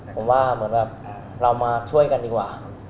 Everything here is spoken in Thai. ผมว่าเหมือนแบบเรามาช่วยกันดีกว่าครับ